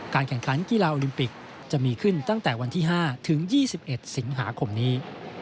แข่งขันกีฬาโอลิมปิกจะมีขึ้นตั้งแต่วันที่๕ถึง๒๑สิงหาคมนี้